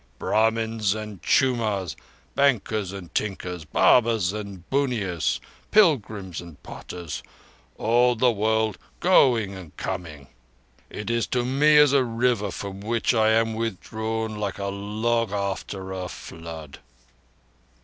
Brahmins and chumars, bankers and tinkers, barbers and bunnias, pilgrims and potters—all the world going and coming. It is to me as a river from which I am withdrawn like a log after a flood."